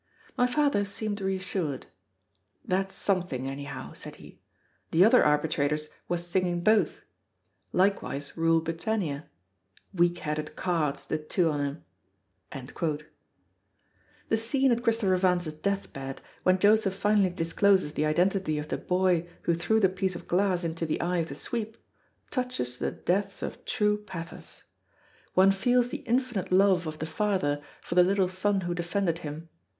My father seemed reassured. "That's something, anyhow," said he. "The other Arbitrators was singin' both. Likewise 'Rule Britannia.' Weak headed cards, the two on 'em!" The scene at Christopher Vance's death bed, when Joseph finally discloses the identity of the boy who threw the piece of glass into the eye of the Sweep, touches the depths of true pathos. One feels the infinite love of the father for the little son who defended him.